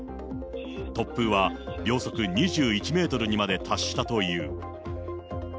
突風は秒速２１メートルにまで達したという。